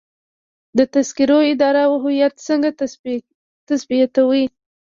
د تذکرو اداره هویت څنګه تثبیتوي؟